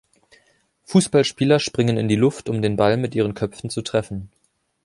Fußballspieler springen in die Luft, um den Ball mit ihren Köpfen zu treffen